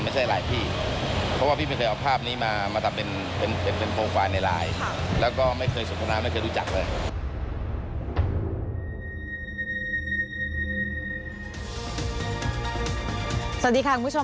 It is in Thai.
สวัสดีค่ะคุณผู้ชม